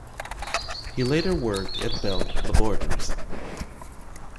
He later worked at Bell Laboratories.